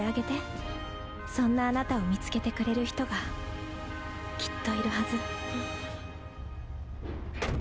そんなあなたを見つけてくれる人がきっといるはず。